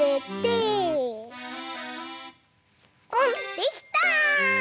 できた。